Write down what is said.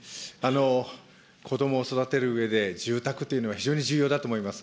子どもを育てるうえで、住宅というのは非常に重要だと思います。